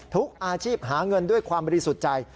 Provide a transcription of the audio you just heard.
ทุกอาชีพหาเงินด้วยความบริสุทธิ์ใจ